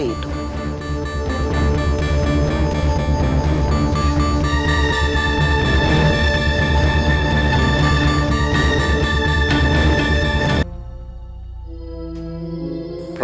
tidak ada yang berpikir